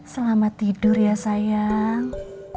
selamat tidur ya sayang